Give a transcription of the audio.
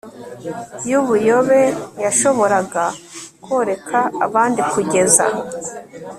yubuyobe yashoboraga koreka abandi kugeza